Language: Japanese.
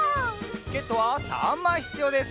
チケットは３まいひつようです。